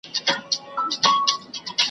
په هر موج کې سيلابونه ,